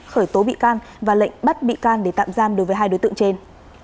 khởi tố bị can và lệnh bắt bị can để tạm giam đối với hai đối tượng trên